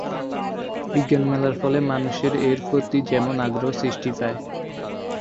বিজ্ঞান মেলার ফলে মানুষের এর প্রতি যেমন আগ্রহ বৃদ্ধি পায়।